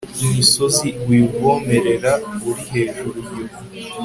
imisozi uyivomerera uri hejuru iyo